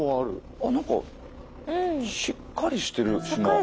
あ何かしっかりしてる島。